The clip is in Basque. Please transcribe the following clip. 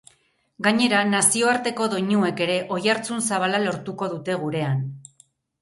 Gainera, nazioarteko doinuek ere oihartzun zabala lortuko dute gurean.